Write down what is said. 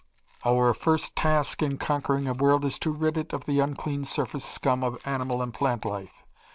"Our first task in conquering a world is to rid it of the unclean surface scum of animal and plant life.